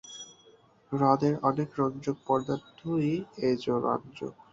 হ্রদের অনেক রঞ্জক পদার্থই এজো রঞ্জক।